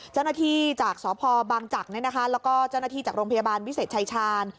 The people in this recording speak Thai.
เจ้าหน้าที่จากสพบางจักรแล้วก็เจ้าหน้าที่จากโรงพยาบาลวิเศษชายชาญ